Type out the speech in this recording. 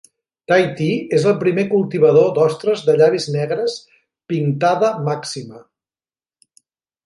Tahití és el primer cultivador d'ostres de llavis negres "Pinctada maxima".